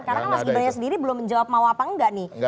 karena mas gibran sendiri belum menjawab mau apa enggak nih